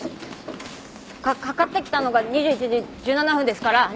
かかかってきたのが２１時１７分ですから２分の会話です。